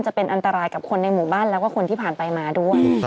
จะเป็นอันตรายกับคนในหมู่บ้านแล้วก็คนที่ผ่านไปมาด้วย